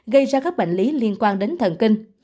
gây ra các bệnh lý liên quan đến thần kinh